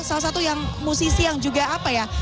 salah satu yang musisi yang juga apa ya